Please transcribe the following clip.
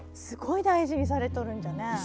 すごい大事にされとるんじゃね。